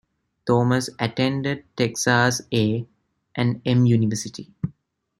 Thomas attended Texas A and M University.